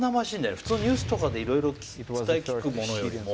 普通ニュースとかでいろいろ伝え聞くものよりも最前線。